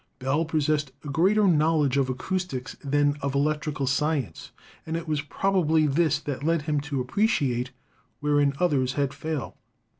Bell possessed a greater knowledge of acoustics than of electrical science, and it was probably this that led him to appreciate wherein others had failed.